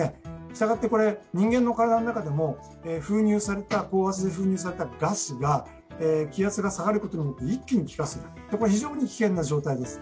したがって人間の体の中でも高圧で封入されたガスが気圧が下がることによって一気に気化する、非常に危険な状態です。